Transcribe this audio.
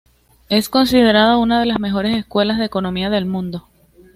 Es considerada una de las mejores escuelas de economía del mundo.